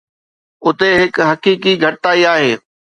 اتي هڪ حقيقي گهٽتائي آهي.